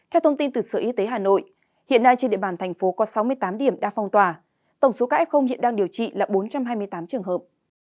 theo thông tin từ sở y tế hà nội hiện nay trên địa bàn thành phố có sáu mươi tám điểm đã phong tỏa tổng số các f hiện đang điều trị là bốn trăm hai mươi tám trường hợp